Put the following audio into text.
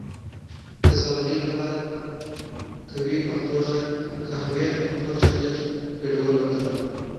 د ساه لنډۍ لپاره د قهوې او تور چاکلیټ ګډول وکاروئ